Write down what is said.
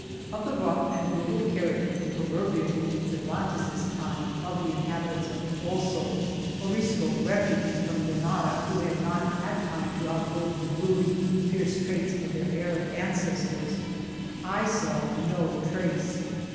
Of the rough and brutal character, pro verbial in Cervantes's time, of the inhabitants of Toboso, Morisco refugees from Granada, who had not had time to outlive the rude, fierce traits of their Arab ancestors, I saw no trace.